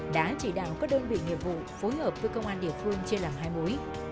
đã chỉ đạo các đơn vị nghiệp vụ phối hợp với công an địa phương chia làm hai mối